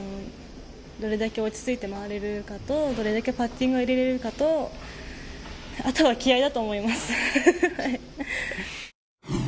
どれだけ落ち着いて回れるかとどれだけパッティングを入れられるかとあとは気合だと思います。